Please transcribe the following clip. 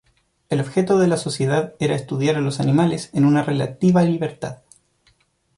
El objeto de la sociedad era estudiar a los animales en una relativa libertad.